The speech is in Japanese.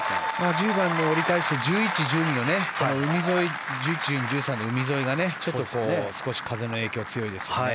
１０番で折り返して１１、１２、１３と海沿いがちょっと少し風の影響が強いですよね。